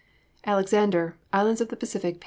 (Alexander, "Islands of the Pacific," p.